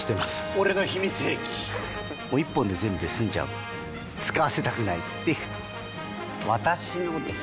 俺の秘密兵器１本で全部済んじゃう使わせたくないっていう私のです！